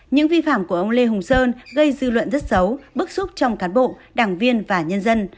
những vi phạm của ông lê hùng sơn gây dư luận rất xấu bức xúc trong cán bộ đảng viên và nhân dân